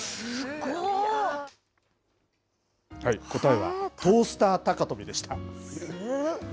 答えはトースター高跳びでした。